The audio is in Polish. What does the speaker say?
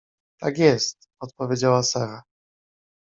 — Tak jest — odpowiedziała Sara.